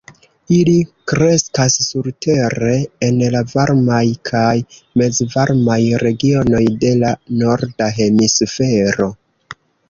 Ili kreskas surtere en la varmaj kaj mezvarmaj regionoj de la norda hemisfero.